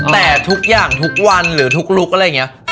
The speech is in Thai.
แต่ทุกอย่างทุกวันหรือทุกลุกแล้วก็เลยไง